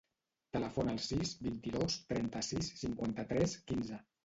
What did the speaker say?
Telefona al sis, vint-i-dos, trenta-sis, cinquanta-tres, quinze.